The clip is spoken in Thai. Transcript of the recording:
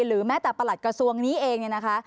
แม้แต่ประหลัดกระทรวงนี้เองเนี่ยนะคะ